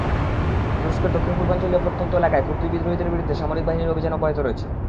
তুরস্কের দক্ষিণ-পূর্বাঞ্চলীয় প্রত্যন্ত এলাকায় কুর্দি বিদ্রোহীদের বিরুদ্ধে সামরিক বাহিনীর অভিযান অব্যাহত রয়েছে।